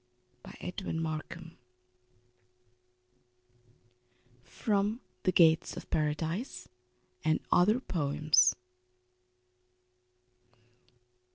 Edwin Markham. From "The Gates of Paradise, and Other Poems."